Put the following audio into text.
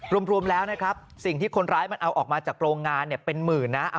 รวมแล้วนะครับสิ่งที่คนร้ายมันเอาออกมาจากโรงงานเนี่ยเป็นหมื่นนะ